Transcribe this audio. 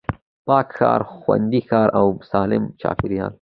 پاک ښار، خوندي ښار او سالم چاپېريال